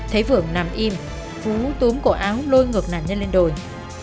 thấy phượng nằm im vũ túm cổ áo lôi ngược nạn nhân lên đồi